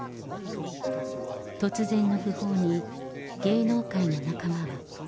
突然の訃報に、芸能界の仲間は。